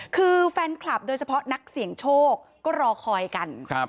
คือแฟนคลับโดยเฉพาะนักเสี่ยงโชคก็รอคอยกัน